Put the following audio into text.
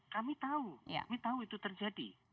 kami tahu kami tahu itu terjadi